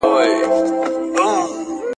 چي نه ځې، په شا به دي کم، چي نه خورې، څه در وکم.